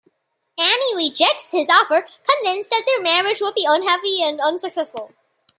Anne rejects his offer, convinced that their marriage would be unhappy and unsuccessful.